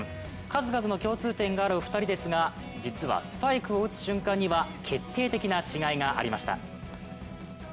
数々の共通点があるお二人ですが、実はスパイクを打つ瞬間には決定的な違いがありました。